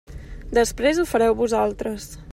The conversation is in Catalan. Després ho fareu vosaltres.